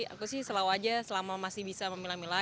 aku sih selalu aja selama masih bisa memilah milah